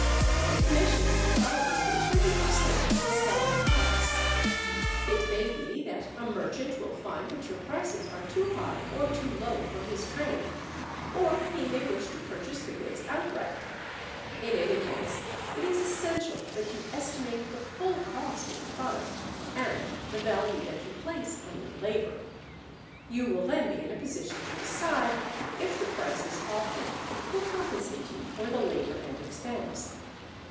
The commission will probably be 20 per cent of the selling price. It may be that a merchant will find that your prices are too high or too low for his trade, or he may wish to purchase the goods outright. In any case it is essential that you estimate the full cost of the product and the value that you place on your labor. You will then be in a position to decide if the prices offered will compensate you for the labor and expense.